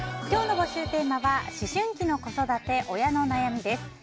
今日の募集テーマは思春期の子育て親の悩みです。